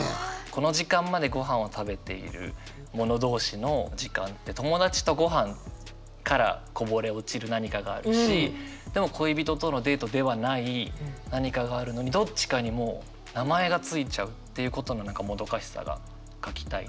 この時間までごはんを食べている者同士の時間って友達とごはんからこぼれ落ちる何かがあるしでも恋人とのデートではない何かがあるのにどっちかにもう名前がついちゃうっていうことの何かもどかしさが書きたいなと。